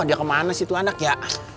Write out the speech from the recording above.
dia kemana sih itu anaknya